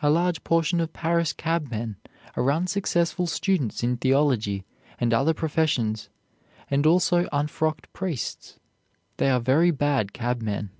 A large portion of Paris cabmen are unsuccessful students in theology and other professions and also unfrocked priests. They are very bad cabmen.